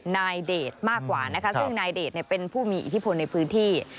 นายเดชมากกว่านะคะซึ่งนายเดชเป็นผู้มีอิทธิพลในพื้นที่